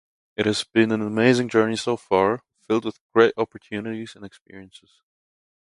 It has been an amazing journey so far, filled with great opportunities and experiences.